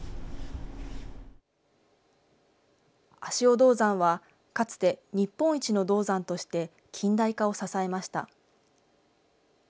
足尾銅山はかつて日本一の銅山として近代化を支えました。